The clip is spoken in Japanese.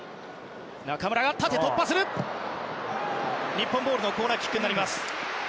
日本ボールのコーナーキックになります。